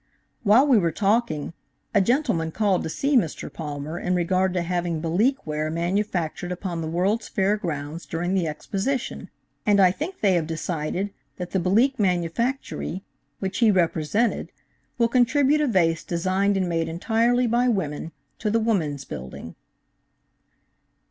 "While we were talking, a gentleman called to see Mr Palmer in regard to having Belique ware manufactured upon the World's Fair grounds during the Exposition, and I think they have decided that the Belique manufactory which he represented will contribute a vase designed and made entirely by women, to the Woman's building.